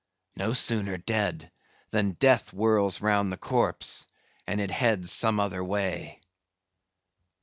no sooner dead, than death whirls round the corpse, and it heads some other way.